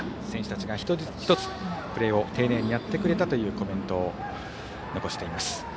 選手たちが一つ一つプレーを丁寧にやってくれたというコメントを残しています。